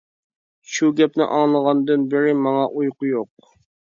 شۇ گەپنى ئاڭلىغاندىن بىرى ماڭا ئۇيقۇ يوق.